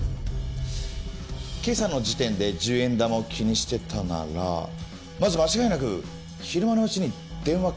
今朝の時点で１０円玉を気にしてたならまず間違いなく昼間のうちに電話かけてますよね。